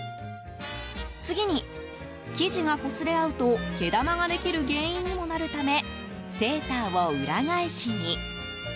次に、生地がこすれ合うと毛玉ができる原因にもなるためセーターを裏返しに。